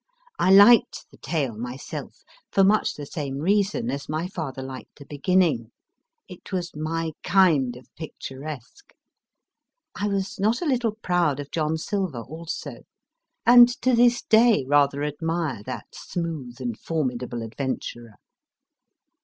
1 liked the tale myself, for much the same reason as my father liked the beginning : it was my kind of picturesque. I was not a little proud of John Silver, also ; and to this day rather admire that smooth and formidable adventurer.